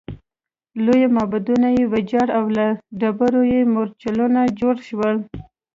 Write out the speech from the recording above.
لوی معبدونه یې ویجاړ او له ډبرو یې مورچلونه جوړ شول